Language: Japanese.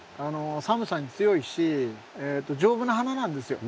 寒さに強いし丈夫な花なんですよ。